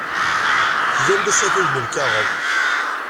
Tgam-d asafag n lkaɣeḍ.